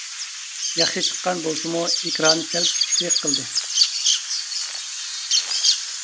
ياخشى چىققان بولسىمۇ ئېكران سەل كىچىكلىك قىلدى.